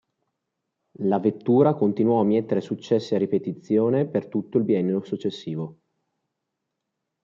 La vettura continuò a mietere successi a ripetizione per tutto il biennio successivo.